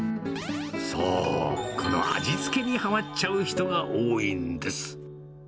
そう、この味付けにはまっちゃう人が多いんです。